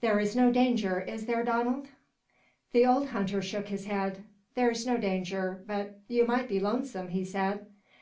"There is no danger, is there, Donald?" The old hunter shook his head. "There's no danger, but you might be lonesome," he said.